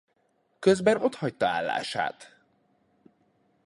Közben otthagyta állását.